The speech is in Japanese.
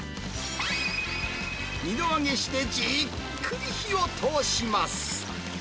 ２度揚げしてじっくり火を通します。